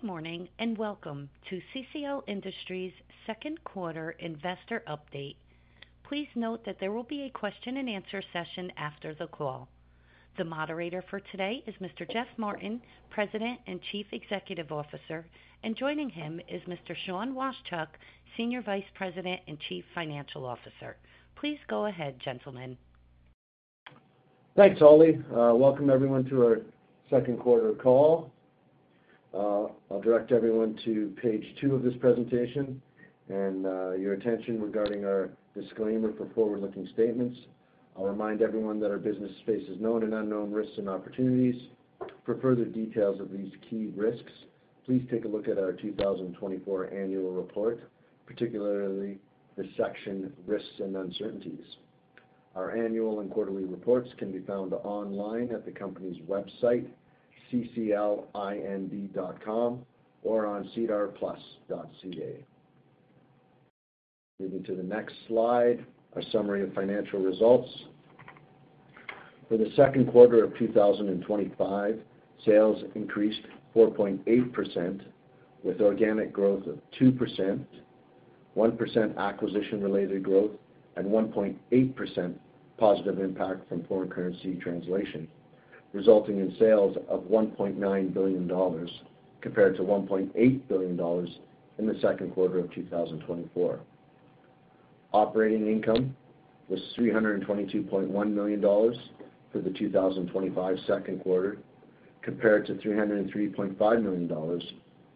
Good morning and welcome to CCL Industries' second quarter investor update. Please note that there will be a question and answer session after the call. The moderator for today is Mr. Geoffrey Martin, President and Chief Executive Officer, and joining him is Mr. Sean P. Washchuk, Senior Vice President and Chief Financial Officer. Please go ahead, gentlemen. Thanks, Holly. Welcome, everyone, to our second quarter call. I'll direct everyone to page 2 of this presentation and your attention regarding our disclaimer for forward-looking statements. I'll remind everyone that our business faces known and unknown risks and opportunities. For further details of these key risks, please take a look at our 2024 annual report, particularly the section "Risks and Uncertainties." Our annual and quarterly reports can be found online at the company's website, cclind.com, or on cedarplus.ca. Moving to the next slide, a summary of financial results. For the second quarter of 2025, sales increased 4.8%, with organic growth of 2%, 1% acquisition-related growth, and 1.8% positive impact from foreign currency translation, resulting in sales of $1.9 billion compared to $1.8 billion in the second quarter of 2024. Operating income was $322.1 million for the 2025 second quarter, compared to $303.5 million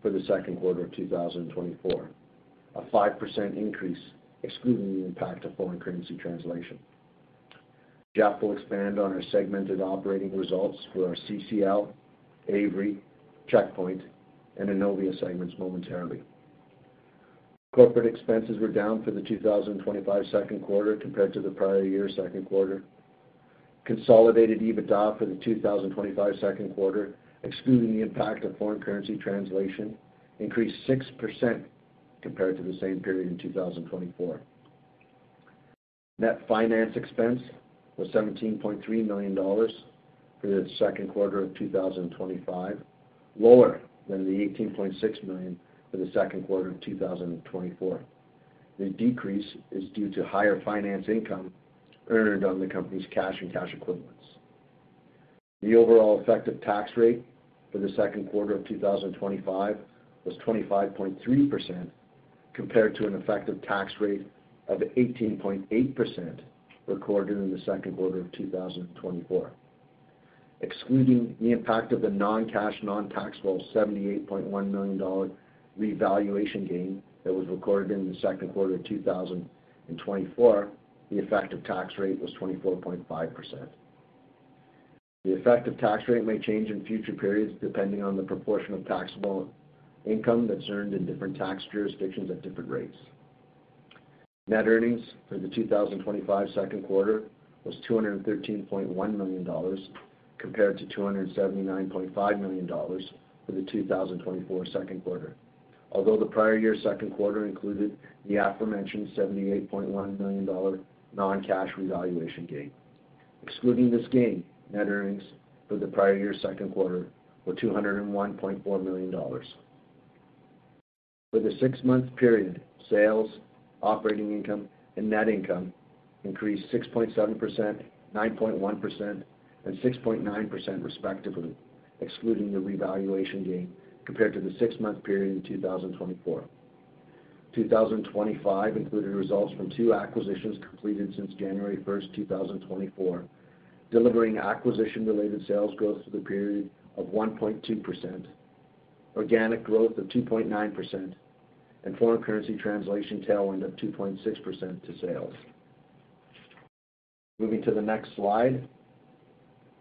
for the second quarter of 2024, a 5% increase excluding the impact of foreign currency translation. Geoff will expand on our segmented operating results for our CCL, Avery, Checkpoint, and Innovia segments momentarily. Corporate expenses were down for the 2025 second quarter compared to the prior year's second quarter. Consolidated EBITDA for the 2025 second quarter, excluding the impact of foreign currency translation, increased 6% compared to the same period in 2024. Net finance expense was $17.3 million for the second quarter of 2025, lower than the $18.6 million for the second quarter of 2024. The decrease is due to higher finance income earned on the company's cash and cash equivalents. The overall effective tax rate for the second quarter of 2025 was 25.3%, compared to an effective tax rate of 18.8% recorded in the second quarter of 2024. Excluding the impact of the non-cash, non-taxable $78.1 million revaluation gain that was recorded in the second quarter of 2024, the effective tax rate was 24.5%. The effective tax rate may change in future periods depending on the proportion of taxable income that's earned in different tax jurisdictions at different rates. Net earnings for the 2025 second quarter were $213.1 million compared to $279.5 million for the 2024 second quarter, although the prior year's second quarter included the aforementioned $78.1 million non-cash revaluation gain. Excluding this gain, net earnings for the prior year's second quarter were $201.4 million. For the six-month period, sales, operating income, and net income increased 6.7%, 9.1%, and 6.9% respectively, excluding the revaluation gain compared to the six-month period in 2024. 2025 included results from two acquisitions completed since January 1st, 2024, delivering acquisition-related sales growth for the period of 1.2%, organic growth of 2.9%, and foreign currency translation tailwind of 2.6% to sales. Moving to the next slide,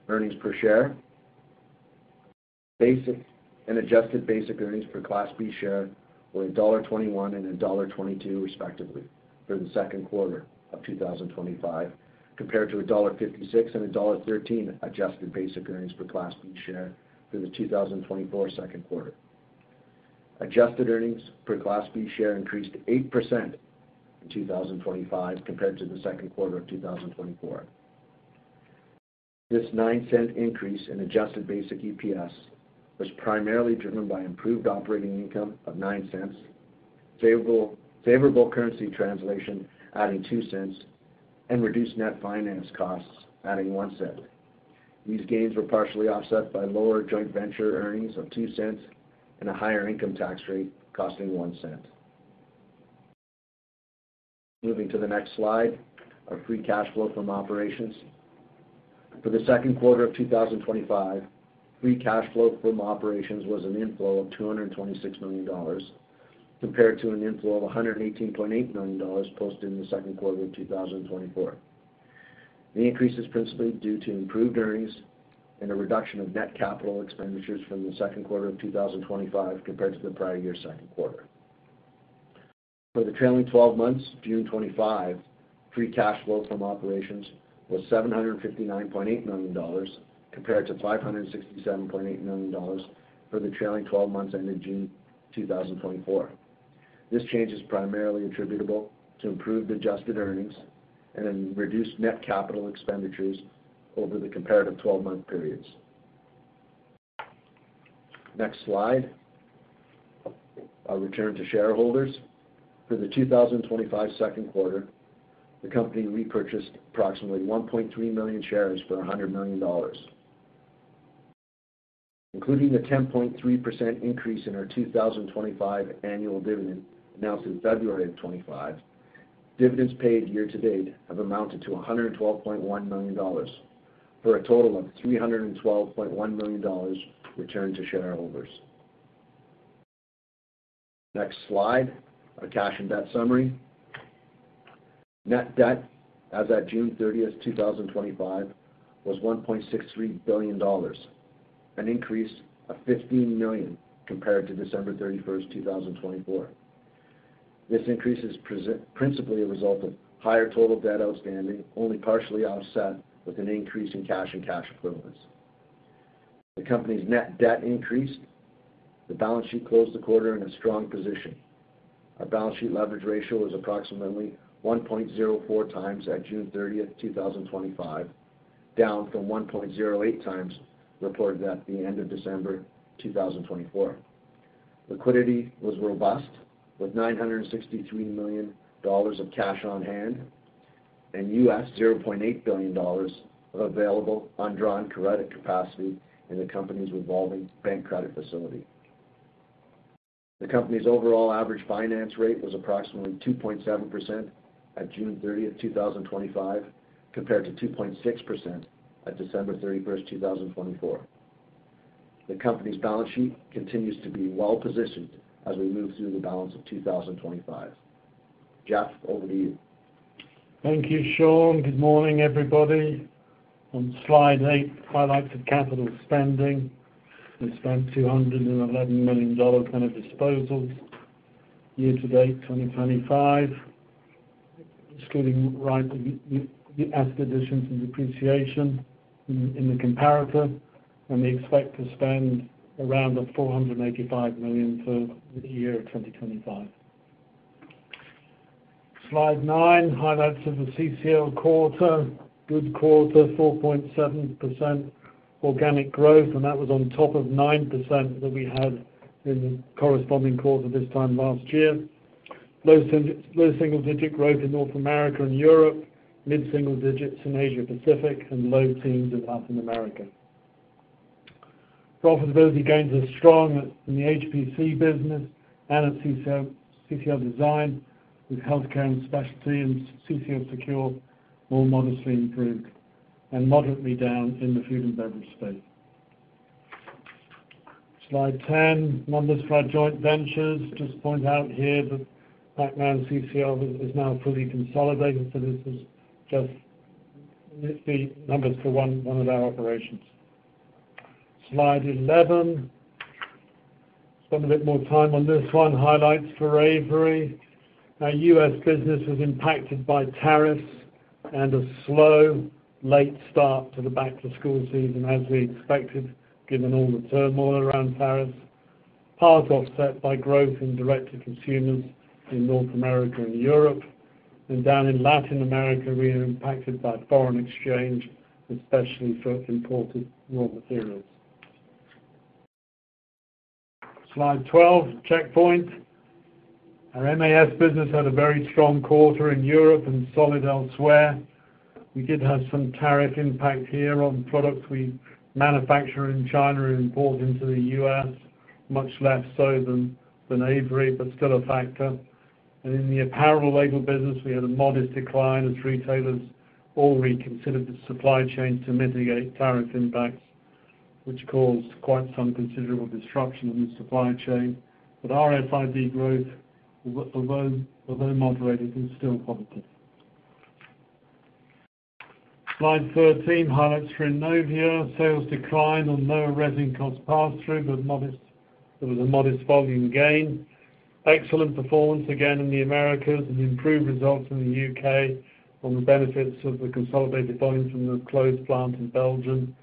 earnings per share. Basic and adjusted basic earnings per Class B share were $1.21 and $1.22 respectively for the second quarter of 2025, compared to $1.56 and $1.13 adjusted basic earnings per Class B share for the 2024 second quarter. Adjusted earnings per Class B share increased 8% in 2025 compared to the second quarter of 2024. This $0.09 increase in adjusted basic EPS was primarily driven by improved operating income of $0.09, favorable currency translation adding $0.02, and reduced net finance costs adding $0.01. These gains were partially offset by lower joint venture earnings of $0.02 and a higher income tax rate costing $0.01. Moving to the next slide, our free cash flow from operations. For the second quarter of 2025, free cash flow from operations was an inflow of $226 million compared to an inflow of $118.8 million posted in the second quarter of 2024. The increase is principally due to improved earnings and a reduction of net capital expenditures from the second quarter of 2025 compared to the prior year's second quarter. For the trailing 12 months, June 2025, free cash flow from operations was $759.8 million compared to $567.8 million for the trailing 12 months ended June 2024. This change is primarily attributable to improved adjusted earnings and reduced net capital expenditures over the comparative 12-month periods. Next slide, our return to shareholders. For the 2025 second quarter, the company repurchased approximately 1.3 million shares for $100 million. Including the 10.3% increase in our 2025 annual dividend announced in February of 2025, dividends paid year to date have amounted to $112.1 million for a total of $312.1 million returned to shareholders. Next slide, our cash and debt summary. Net debt as at June 30th, 2025, was $1.63 billion, an increase of $15 million compared to December 31st, 2024. This increase is principally a result of higher total debt outstanding only partially offset with an increase in cash and cash equivalents. The company's net debt increased. The balance sheet closed the quarter in a strong position. Our balance sheet leverage ratio was approximately 1.04 times at June 30th, 2025, down from 1.08x reported at the end of December 2024. Liquidity was robust with $963 million of cash on hand and U.S. $0.8 billion of available undrawn credit capacity in the company's revolving bank credit facility. The company's overall average finance rate was approximately 2.7% at June 30th, 2025, compared to 2.6% at December 31st, 2024. The company's balance sheet continues to be well-positioned as we move through the balance of 2025. Geoff, over to you. Thank you, Sean. Good morning, everybody. On slide 8, quite a lot of capital spending. We spent $211 million on a disposal year to date, 2025. Excluding right the escalations and depreciation in the comparative, and we expect to spend around $485 million for the year of 2025. Slide 9, highlights of the CCL quarter. Good quarter, 4.7% organic growth, and that was on top of 9% that we had in the corresponding quarter this time last year. Low single-digit growth in North America and Europe, mid-single digits in Asia-Pacific, and low teens in Latin America. Profitability gains are strong in the HPC business and at CCL Design with healthcare and specialty and CCL Secure, more modestly improved and moderately down in the food and beverage space. Slide 10, numbers for our joint ventures. Just to point out here that Paxman CCL is now fully consolidated, so this is just the numbers for one of our operations. Slide 11, spend a bit more time on this one, highlights for Avery. Our U.S. business was impacted by tariffs and a slow, late start to the back-to-school season as we expected, given all the turmoil around tariffs. Part offset by growth in direct-to-consumer channels in North America and Europe, and down in Latin America, we were impacted by foreign exchange, especially for imported raw materials. Slide 12, Checkpoint. Our MAS business had a very strong quarter in Europe and solid elsewhere. We did have some tariff impact here on products we manufacture in China and import into the U.S., much less so than Avery, but still a factor. In the apparel labels business, we had a modest decline as retailers all reconsidered the supply chain to mitigate tariff impacts, which caused quite some considerable disruption in the supply chain. RFID technology growth, although moderated, is still positive. Slide 13, highlights for Innovia. Sales declined on lower resin cost pass-throughs, but there was a modest volume gain. Excellent performance again in the Americas and improved results in the U.K. on the benefits of the consolidated volumes from the closed plant in Belgium.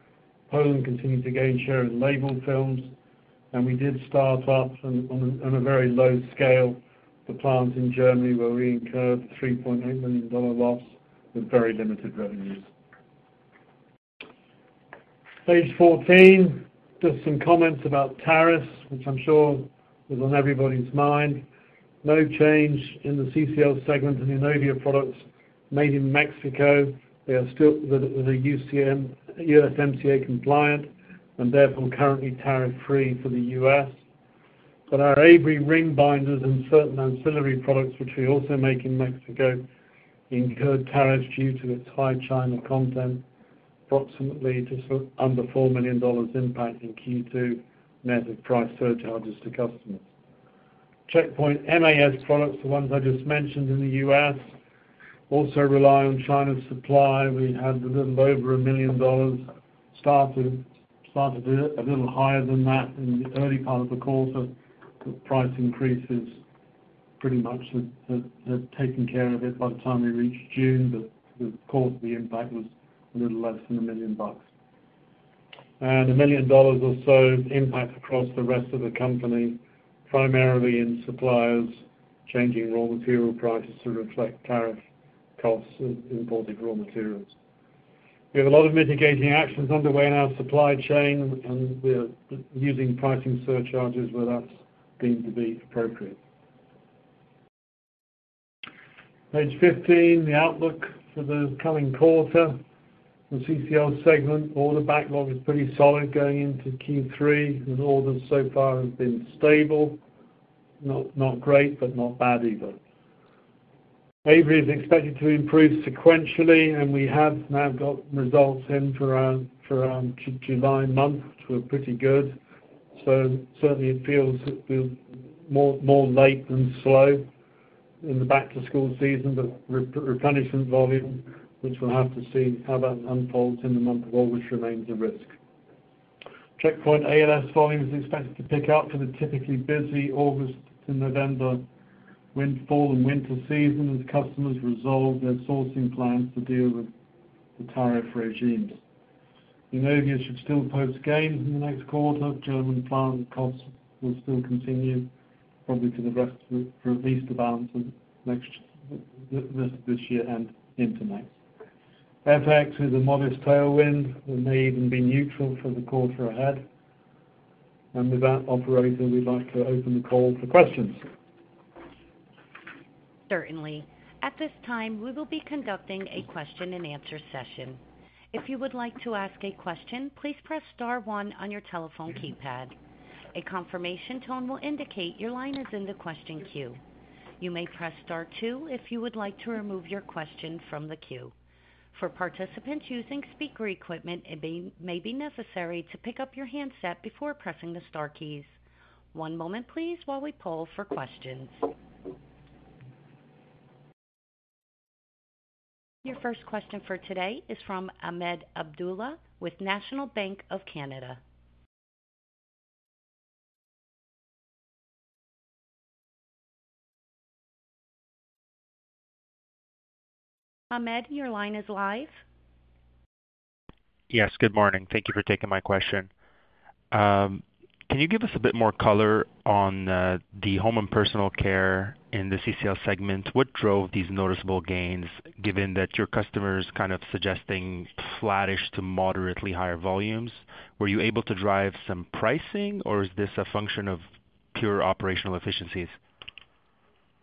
Poland continued to gain share in label films, and we did start up on a very low scale for plants in Germany where we incurred a $3.8 million loss with very limited revenues. Page 14, just some comments about tariffs, which I'm sure was on everybody's mind. No change in the CCL segment and Innovia products made in Mexico. They are still USMCA compliant and therefore currently tariff-free for the U.S. Our Avery ring binders and certain ancillary products, which we also make in Mexico, incurred tariffs due to its high China content, approximately just under $4 million impact in Q2 net of price surcharges to customers. Checkpoint MAS products, the ones I just mentioned in the U.S., also rely on China's supply. We had a little over $1 million started a little higher than that in the early part of the quarter. The price increases pretty much had taken care of it by the time we reached June, but the cause of the impact was a little less than $1 million. A $1 million or so impact across the rest of the company, primarily in suppliers changing raw material prices to reflect tariff costs of imported raw materials. We have a lot of mitigating actions underway in our supply chain, and we're using pricing surcharges where that's deemed to be appropriate. Page 15, the outlook for the coming quarter. The CCL segment order backlog is pretty solid going into Q3, and orders so far have been stable. Not great, but not bad either. Avery is expected to improve sequentially, and we have now got results in for our July month, which were pretty good. It feels more late than slow in the back-to-school season, but replenishment volume, which we'll have to see how that unfolds in the month of August, remains a risk. Checkpoint ALS volume is expected to pick up for the typically busy August to November windfall and winter season, as customers resolve their sourcing plans to deal with the tariff regimes. Innovia should still post gain in the next quarter. German plant costs will still continue, probably to the rest of it for at least the balance of the rest of this year and into May. FX with a modest tailwind may even be neutral for the quarter ahead. With that, we'd like to open the call for questions. Certainly. At this time, we will be conducting a question and answer session. If you would like to ask a question, please press star one on your telephone keypad. A confirmation tone will indicate your line is in the question queue. You may press star two if you would like to remove your question from the queue. For participants using speaker equipment, it may be necessary to pick up your handset before pressing the star keys. One moment, please, while we poll for questions. Your first question for today is from Ahmed Abdullah with National Bank of Canada. Ahmed, your line is live. Yes, good morning. Thank you for taking my question. Can you give us a bit more color on the home and personal care in the CCL segment? What drove these noticeable gains, given that your customers kind of suggesting flattish to moderately higher volumes? Were you able to drive some pricing, or is this a function of pure operational efficiencies?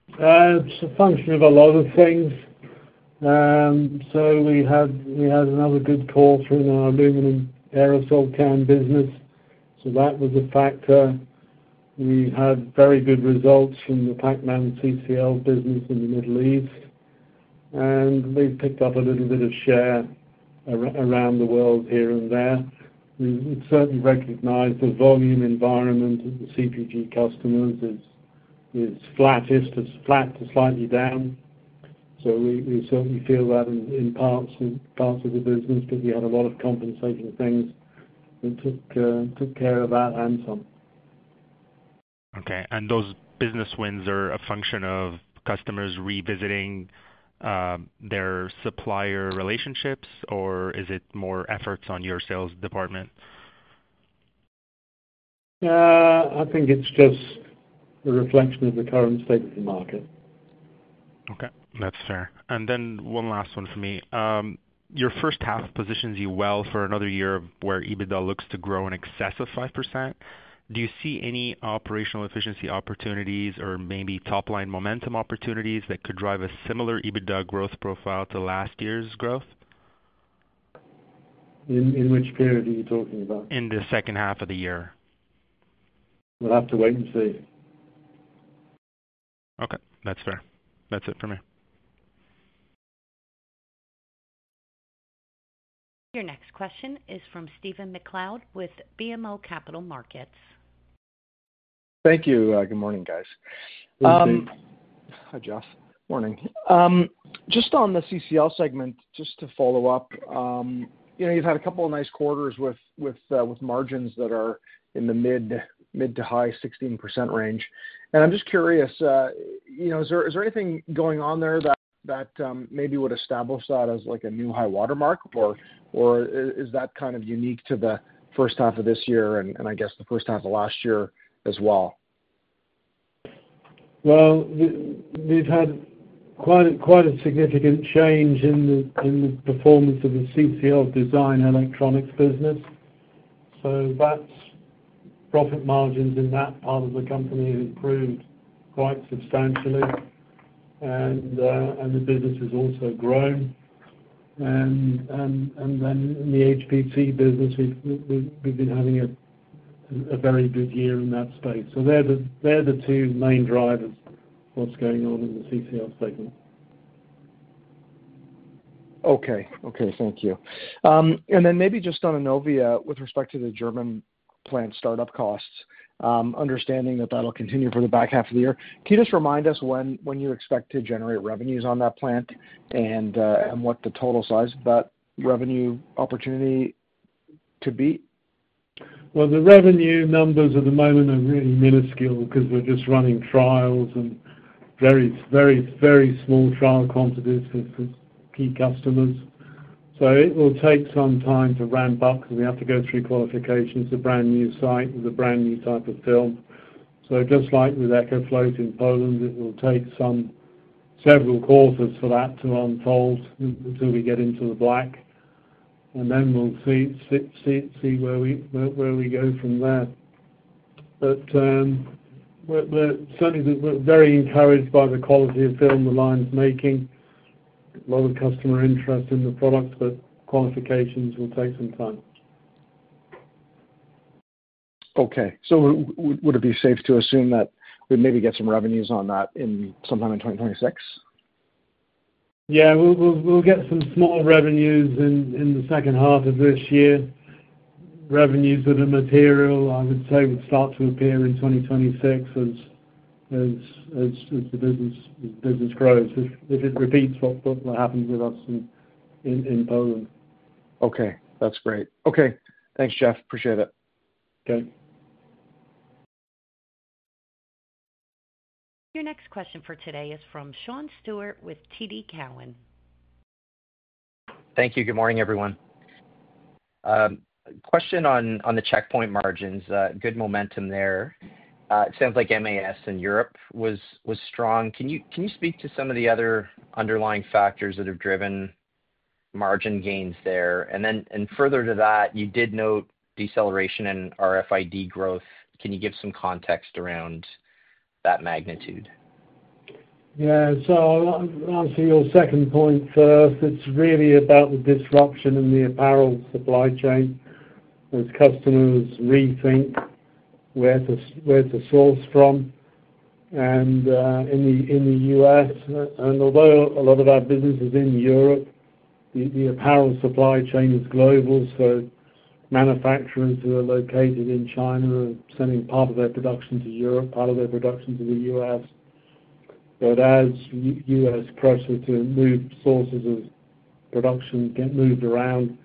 It's a function of a lot of things. We had another good call from our aluminum aerosol can business, so that was a factor. We had very good results in the Pacman CCL business in the Middle East, and we've picked up a little bit of share around the world here and there. We certainly recognize the volume environment of the CPG customers is flattish to flat to slightly down. We certainly feel that in parts of the business because we had a lot of compensating things. It took care of that handsome. Okay. Are those business wins a function of customers revisiting their supplier relationships, or is it more efforts on your sales department? I think it's just a reflection of the current state of the market. Okay. That's fair. One last one for me. Your first half positions you well for another year where EBITDA looks to grow in excess of 5%. Do you see any operational efficiency opportunities or maybe top-line momentum opportunities that could drive a similar EBITDA growth profile to last year's growth? In which period are you talking about? In the second half of the year. We'll have to wait and see. Okay. That's fair. That's it for me. Your next question is from Stephen MacLeod with BMO Capital Markets. Thank you. Good morning, guys. Hi, Geoff. Morning. Just on the CCL segment, just to follow up, you've had a couple of nice quarters with margins that are in the mid to high 16% range. I'm just curious, is there anything going on there that maybe would establish that as like a new high watermark, or is that kind of unique to the first half of this year and I guess the first half of last year as well? There has been quite a significant change in the performance of the CCL Design electronics business. Profit margins in that part of the company have improved quite substantially, and the business has also grown. In the HPC business, we've been having a very good year in that space. They are the two main drivers of what's going on in the CCL segment. Okay. Thank you. Maybe just on Innovia with respect to the German plant startup costs, understanding that that'll continue for the back half of the year. Can you just remind us when you expect to generate revenues on that plant and what the total size of that revenue opportunity could be? The revenue numbers at the moment are really minuscule because we're just running trials and very, very, very small trial quantities for key customers. It will take some time to ramp up because we have to go through qualifications for a brand new site with a brand new type of film. Just like with EcoFloat in Poland, it will take several quarters for that to unfold until we get into the black. We'll see where we go from there. We're certainly very encouraged by the quality of film the line's making. A lot of customer interest in the product, but qualifications will take some time. Would it be safe to assume that we'd maybe get some revenues on that sometime in 2026? We'll get some small revenues in the second half of this year. Revenues for the material, I would say, would start to appear in 2026 as the business grows. If it repeats, what happens with us in Poland? Okay, that's great. Okay, thanks, Geoff. Appreciate it. Okay. Your next question for today is from Sean Steuart with TD Cowen. Thank you. Good morning, everyone. Question on the Checkpoint margins. Good momentum there. It sounds like MAS in Europe was strong. Can you speak to some of the other underlying factors that have driven margin gains there? Further to that, you did note deceleration in RFID growth. Can you give some context around that magnitude? Yeah. I'll answer your second point first. It's really about the disruption in the apparel supply chain as customers rethink where to source from. In the U.S., and although a lot of our business is in Europe, the apparel supply chain is global. Manufacturers who are located in China are sending part of their production to Europe, part of their production to the U.S. As U.S. pressure to move sources of production gets moved around,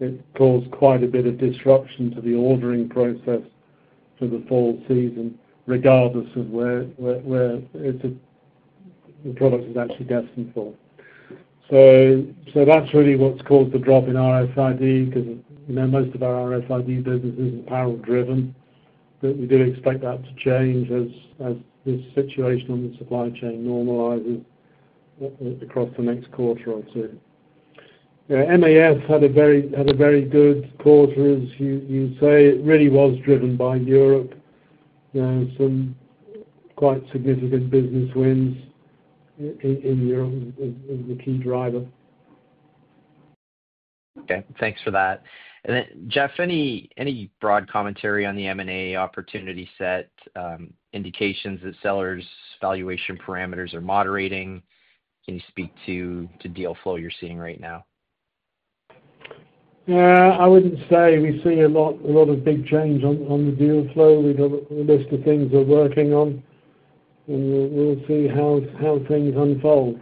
it caused quite a bit of disruption to the ordering process for the fall season, regardless of where the product is actually destined for. That's really what's caused the drop in RFID because most of our RFID business is apparel-driven. We do expect that to change as this situation on the supply chain normalizes across the next quarter or two. MAS had a very good quarter, as you say. It really was driven by Europe. Some quite significant business wins in Europe is a key driver. Okay. Thanks for that. Geoff, any broad commentary on the M&A opportunity set, indications of sellers' valuation parameters are moderating? Can you speak to the deal flow you're seeing right now? Yeah. I wouldn't say we see a lot of big change on the deal flow. We've got a list of things we're working on. We'll see how things unfold.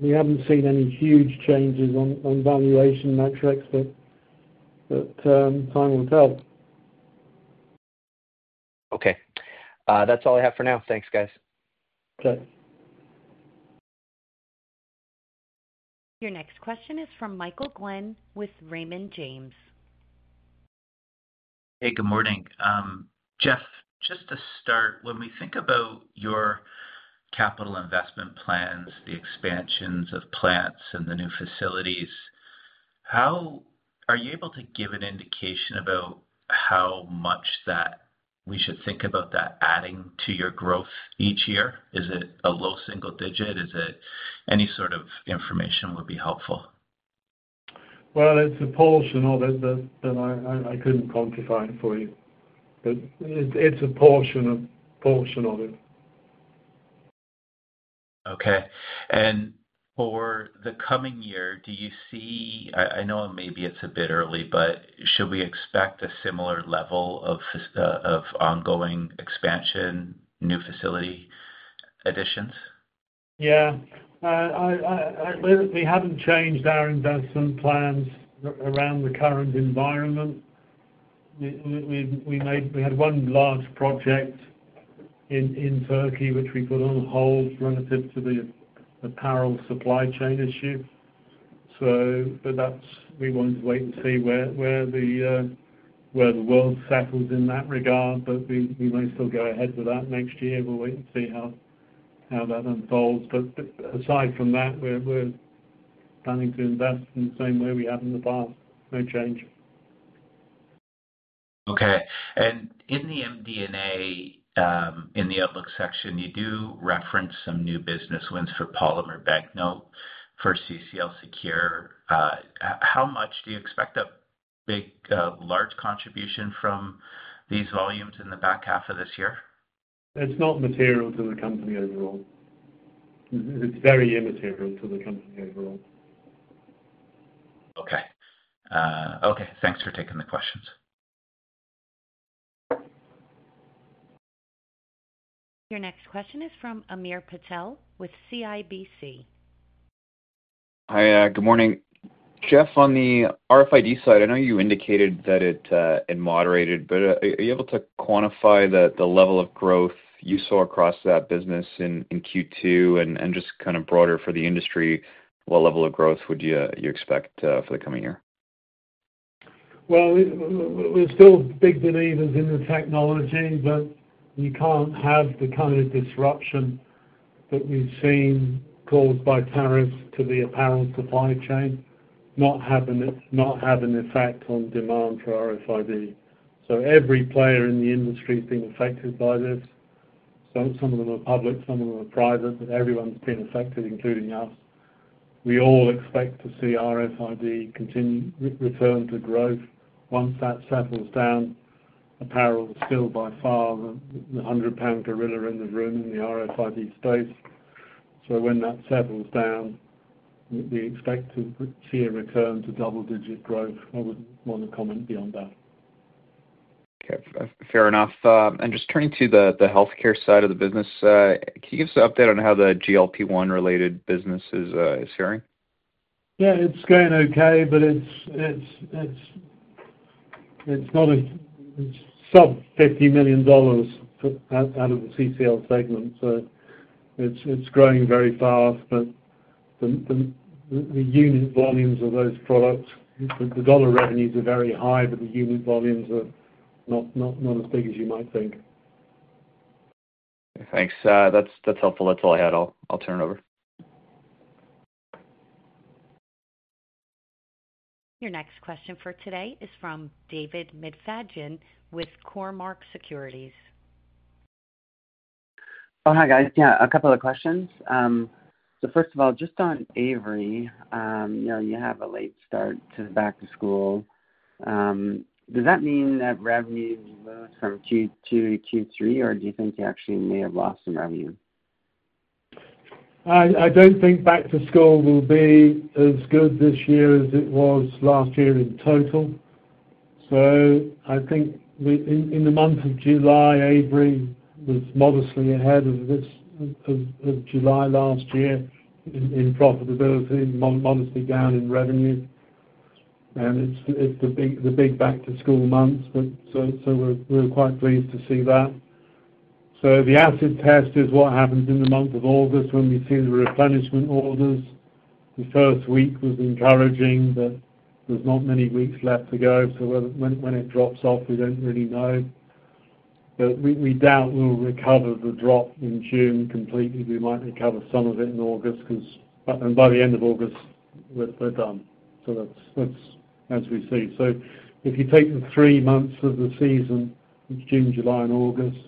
We haven't seen any huge changes on valuation metrics that Simon felt. Okay. That's all I have for now. Thanks, guys. Okay. Your next question is from Michael Glen with Raymond James. Hey, good morning. Geoff, just to start, when we think about your capital investment plans, the expansions of plants and the new facilities, how are you able to give an indication about how much that we should think about that adding to your growth each year? Is it a low single digit? Is it any sort of information would be helpful? It is a portion of it that I couldn't quantify for you. It is a portion of it. Okay. For the coming year, do you see, I know maybe it's a bit early, but should we expect a similar level of ongoing expansion, new facility additions? Yeah. We haven't changed our investment plans around the current environment. We had one large project in Turkey, which we put on hold relative to the apparel supply chain issues. We want to wait and see where the world settles in that regard. We may still go ahead with that next year. We'll wait and see how that unfolds. Aside from that, we're planning to invest in the same way we have in the past. No change. Okay. In the MD&A, in the outlook section, you do reference some new business wins for polymer banknote, for CCL Secure. How much do you expect a big, large contribution from these volumes in the back half of this year? It's not material to the company overall. It's very immaterial to the company overall. Okay. Thanks for taking the questions. Your next question is from Hamir Patel with CIBC Capital Markets. Hi. Good morning. Geoff, on the RFID side, I know you indicated that it moderated, but are you able to quantify the level of growth you saw across that business in Q2? Just kind of broader for the industry, what level of growth would you expect for the coming year? We are still big believers in the technology, but you can't have the kind of disruption that we've seen caused by tariffs to the apparel supply chain not having an effect on demand for RFID. Every player in the industry has been affected by this. Some of them are public, some of them are private, but everyone's been affected, including us. We all expect to see RFID continue to return to growth. Once that settles down, apparel is still by far the 100-pound gorilla in the room in the RFID space. When that settles down, we expect to see a return to double-digit growth. I wouldn't want to comment beyond that. Okay. Fair enough. Just turning to the healthcare side of the business, can you give us an update on how the GLP-1 related business is faring? Yeah, it's going okay, but it's not a sub-$50 million out of the CCL segment. It's growing very fast, but the unit volumes of those products, the dollar revenues are very high, but the unit volumes are not as big as you might think. Thanks. That's helpful. That's all I had. I'll turn it over. Your next question for today is from David McFadgen with Cormark Securities. Oh, hi, guys. Yeah, a couple of questions. First of all, just on Avery, you know, you have a late start to back-to-school. Does that mean that revenue will move from Q2 to Q3, or do you think they actually may have lost some revenue? I don't think back-to-school will be as good this year as it was last year in total. I think in the month of July, Avery was modestly ahead of July last year in profitability, modestly down in revenues. It's the big back-to-school month, so we're quite pleased to see that. The acid test is what happens in the month of August when we see the replenishment orders. The first week was encouraging, but there's not many weeks left to go. When it drops off, we don't really know. We doubt we'll recover the drop in June completely. We might recover some of it in August because, and by the end of August, we're done. That's as we see. If you take the three months of the season, which are June, July, and August,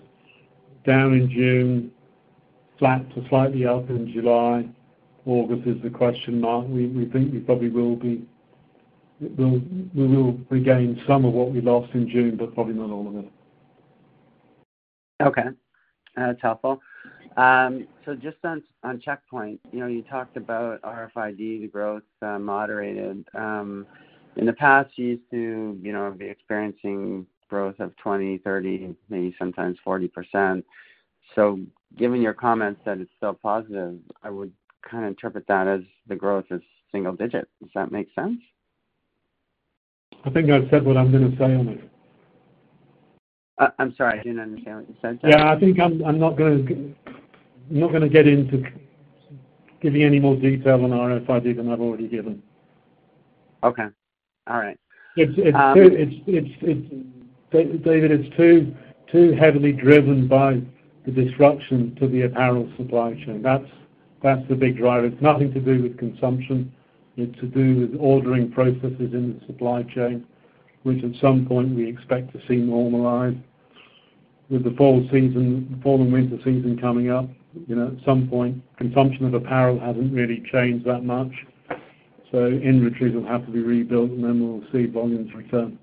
down in June, flat to slightly up in July, August is the question mark. We think we probably will regain some of what we lost in June, but probably not all of it. Okay, that's helpful. Just on Checkpoint, you talked about RFID, the growth moderated. In the past, you used to be experiencing growth of 20%, 30%, maybe sometimes 40%. Given your comments that it's still positive, I would kind of interpret that as the growth is single-digit, if that makes sense. I think I've said what I'm going to say on it. I'm sorry, I didn't understand what you said, sir. Yeah, I think I'm not going to get into giving any more detail on RFID than I've already given. Okay. All right. David, it's too heavily driven by the disruption to the apparel supply chain. That's the big driver. It's nothing to do with consumption. It's to do with ordering processes in the supply chain, which at some point we expect to see normalize. With the fall and winter season coming up, at some point, consumption of apparel hasn't really changed that much. Inventories will have to be rebuilt, and then we'll see volumes return.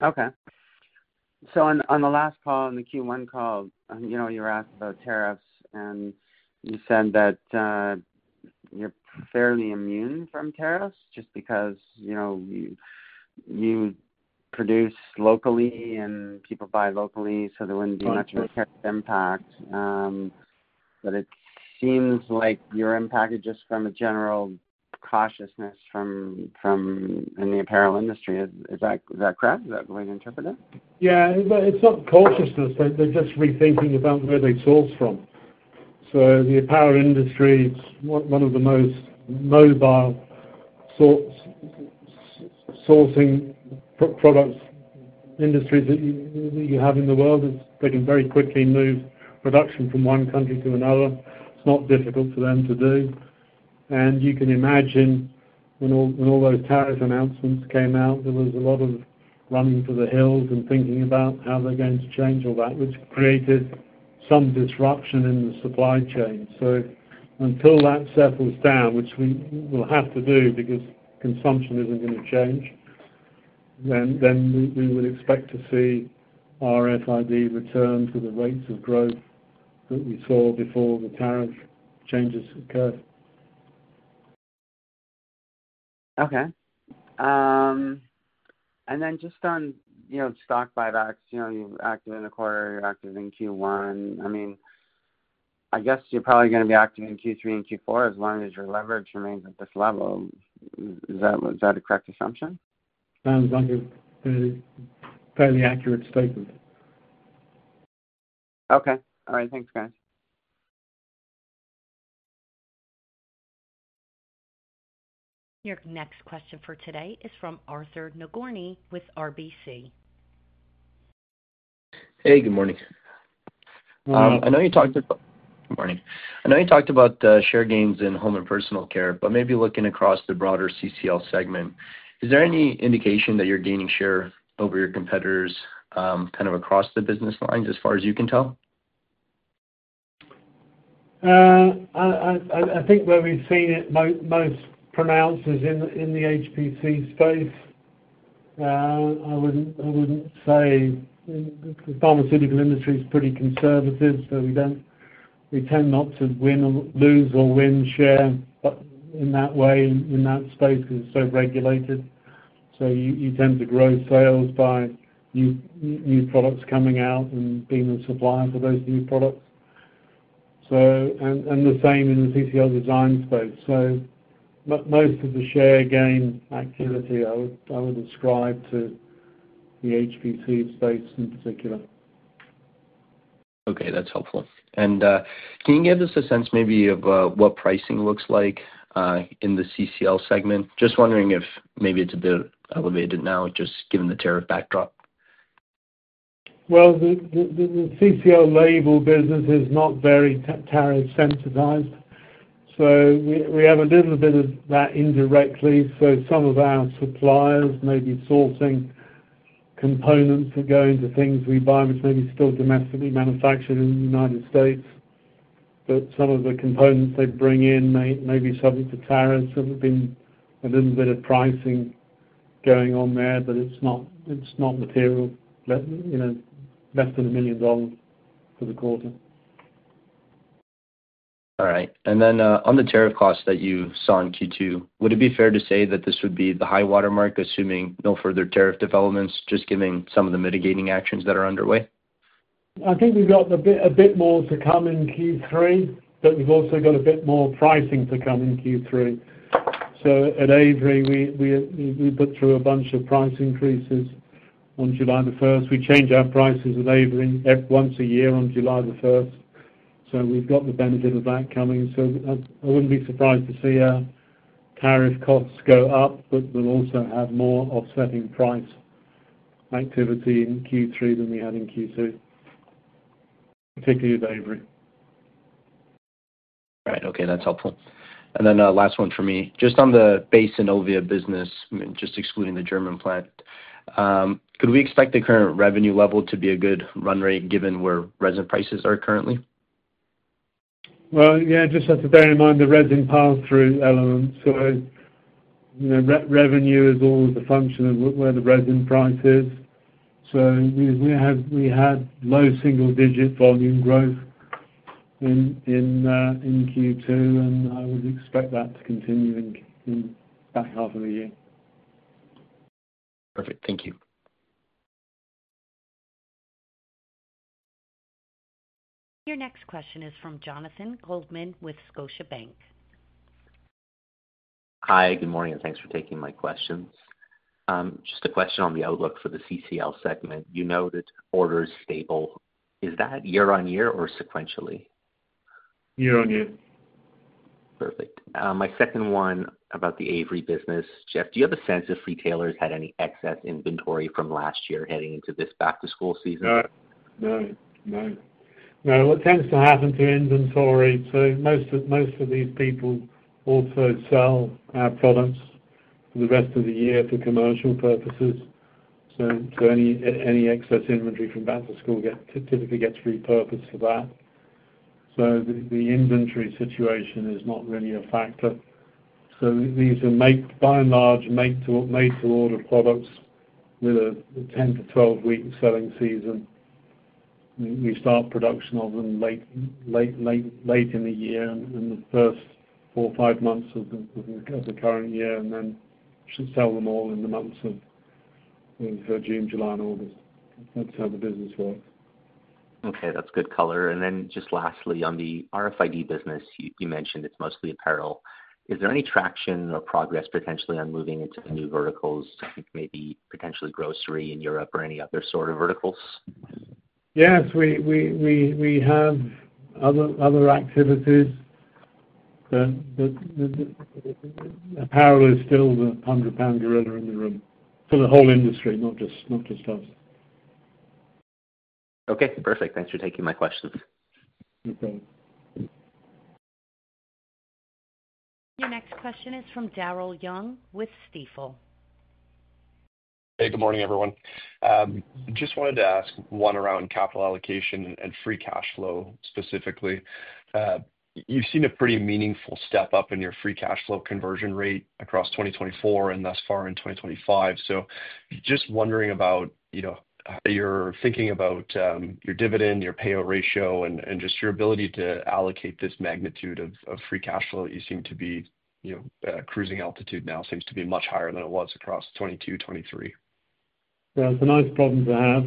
Okay. On the last call, on the Q1 call, you were asked about tariffs, and you said that you're fairly immune from tariffs just because you produce locally and people buy locally, so there wouldn't be much of a tariff impact. It seems like your impact is just from a general cautiousness from in the apparel industry. Is that correct? Is that a good way to interpret it? Yeah, but it's not cautiousness. They're just rethinking about where they source from. The apparel industry is one of the most mobile sorts of sourcing products industries that you have in the world. They can very quickly move production from one country to another. It's not difficult for them to do. You can imagine when all those tariff announcements came out, there was a lot of running for the hills and thinking about how they're going to change all that, which created some disruption in the supply chain. Until that settles down, which we will have to do because consumption isn't going to change, we would expect to see RFID return to the rates of growth that we saw before the tariff changes occurred. Okay. Just on, you know, stock buybacks, you're active in the quarter, you're active in Q1. I mean, I guess you're probably going to be active in Q3 and Q4 as long as your leverage remains at this level. Is that a correct assumption? Sounds like a fairly accurate statement. Okay. All right. Thanks, guys. Your next question for today is from Arthur Nagorny with RBC Capital Markets. Hey, good morning. Morning. I know you talked about the share gains in home and personal care, but maybe looking across the broader CCL segment, is there any indication that you're gaining share over your competitors kind of across the business lines as far as you can tell? I think where we've seen it most pronounced is in the HPC space. I wouldn't say the pharmaceutical industry is pretty conservative, so we tend not to win or lose or win share in that way in that space because it's so regulated. You tend to grow sales by new products coming out and being a supplier for those new products. The same in the CCL Design space. Most of the share gain activity, I would ascribe to the HPC space in particular. Okay. That's helpful. Can you give us a sense maybe of what pricing looks like in the CCL segment? Just wondering if maybe it's a bit elevated now just given the tariff backdrop. The CCL label business is not very tariff-sensitized. We have a little bit of that indirectly. Some of our suppliers may be sourcing components that go into things we buy, which may be still domestically manufactured in the United States. Some of the components they bring in may be subject to tariffs. There's been a little bit of pricing going on there, but it's not material, less than $1 million for the quarter. All right. On the tariff costs that you saw in Q2, would it be fair to say that this would be the high watermark, assuming no further tariff developments, just given some of the mitigating actions that are underway? I think we've got a bit more to come in Q3, but we've also got a bit more pricing to come in Q3. At Avery, we put through a bunch of price increases. On July 1st, we change our prices at Avery once a year on July 1st. We've got the benefit of that coming. I wouldn't be surprised to see our tariff costs go up, but we'll also have more offsetting price activity in Q3 than we had in Q2, particularly with Avery. All right. Okay. That's helpful. The last one for me, just on the base Innovia business, just excluding the German plant, could we expect the current revenue level to be a good run rate given where resin prices are currently? You just have to bear in mind the resin pass-through element. Revenue is always a function of where the resin price is. We had low single-digit volume growth in Q2, and I would expect that to continue in the back half of the year. Perfect. Thank you. Your next question is from Jonathan Goldman with Scotiabank. Hi. Good morning, and thanks for taking my questions. Just a question on the outlook for the CCL segment. You know that order is stable. Is that year-on-year or sequentially? Year-on-year. Perfect. My second one about the Avery business, Geoff, do you have a sense if retailers had any excess inventory from last year heading into this back-to-school season? What tends to happen to inventory, most of these people also sell our products for the rest of the year for commercial purposes. Any excess inventory from back-to-school typically gets repurposed for that. The inventory situation is not really a factor. These are by and large made-to-order products with a 10-12 week selling season. We start production of them late in the year and the first four or five months of the current year, and then we should sell them all in the months of June, July, and August. That's how the business works. Okay. That's good color. Lastly, on the RFID business, you mentioned it's mostly apparel. Is there any traction or progress potentially on moving into the new verticals? I think maybe potentially grocery in Europe or any other sort of verticals? Yes, we have other activities. Apparel is still the 100-pound gorilla in the room for the whole industry, not just us. Okay. Perfect. Thanks for taking my questions. You're fine. Your next question is from Daryl Young with Stifel. Hey, good morning, everyone. I just wanted to ask one around capital allocation and free cash flow specifically. You've seen a pretty meaningful step up in your free cash flow conversion rate across 2024 and thus far in 2025. Just wondering about, you know, you're thinking about your dividend, your payout ratio, and just your ability to allocate this magnitude of free cash flow that you seem to be, you know, cruising altitude now seems to be much higher than it was across 2022, 2023. Yeah, it's a nice problem to have.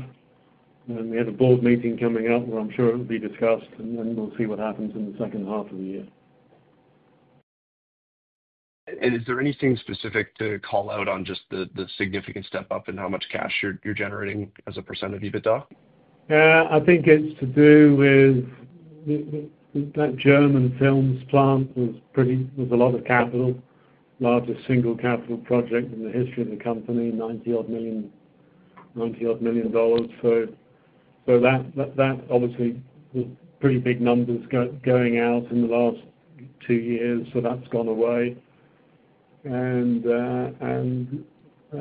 We have a board meeting coming up where I'm sure it'll be discussed, and we'll see what happens in the second half of the year. Is there anything specific to call out on just the significant step up in how much cash you're generating as a % of EBITDA? Yeah, I think it's to do with that German films plant. It was a lot of capital, largest single capital project in the history of the company, $90-odd million. That obviously was pretty big numbers going out in the last two years, so that's gone away.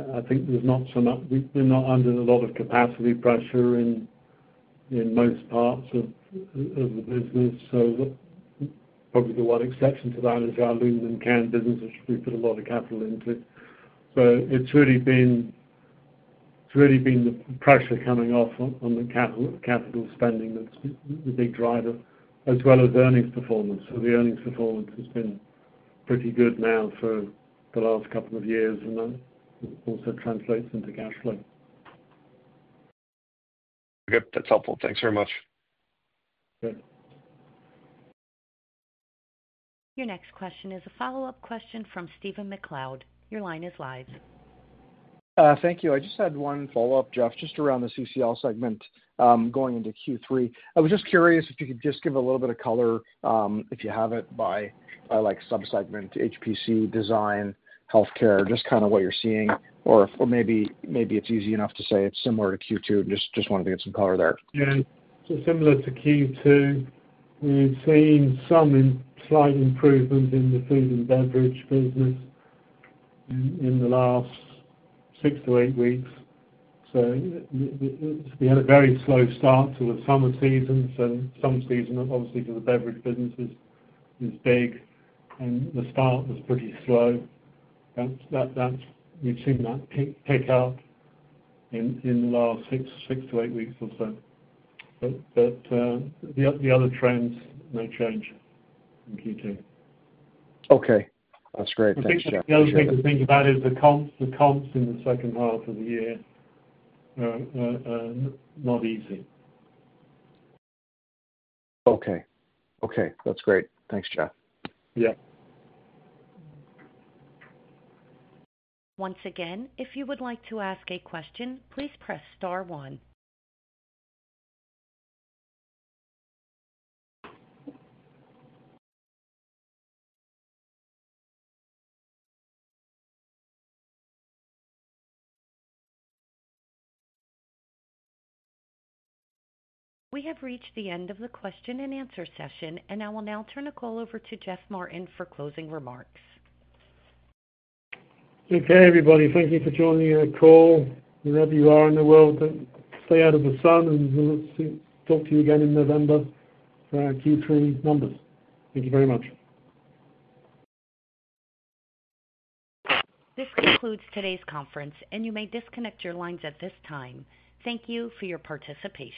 I think there's not so much, we're not under a lot of capacity pressure in most parts of the business. Probably the one exception to that is our aluminum can business, which we put a lot of capital into. It's really been the pressure coming off on the capital spending that's the big driver, as well as earnings performance. The earnings performance has been pretty good now for the last couple of years, and that also translates into cash flow. Okay, that's helpful. Thanks very much. Great. Your next question is a follow-up question from Stephen MacLeod. Your line is live. Thank you. I just had one follow-up, Geoff, just around the CCL segment going into Q3. I was just curious if you could just give a little bit of color, if you have it, by subsegment, HPC, design, healthcare, just kind of what you're seeing, or maybe it's easy enough to say it's similar to Q2. Just wanted to get some color there. Yeah. Similar to Q2, we've seen some slight improvement in the food and beverage business in the last six to eight weeks. We had a very slow start to the summer season. The summer season, obviously, for the beverage business is big, and the start was pretty slow. We've seen that kick out in the last six to eight weeks or so. The other trends may change in Q2. Okay. That's great. Thanks, Geoff. The other thing to think about is the comps in the second half of the year, not easy. Okay. Okay. That's great. Thanks, Geoff. Yeah. Once again, if you would like to ask a question, please press star one. We have reached the end of the question and answer session, and I will now turn the call over to Geoffrey Martin for closing remarks. Okay, everybody, thank you for joining the call. Wherever you are in the world, stay out of the sun, and we'll talk to you again in November for our Q3 numbers. Thank you very much. This concludes today's conference, and you may disconnect your lines at this time. Thank you for your participation.